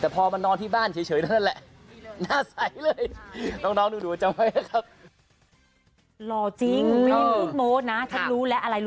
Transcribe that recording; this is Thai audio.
ผมนะอยู่บ้านแช่เฉยเลยไอตอนนั้นนะที่ไปภพหมอทำตอนผมเล่นละคร